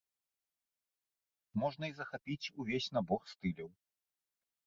Можна і захапіць увесь набор стыляў.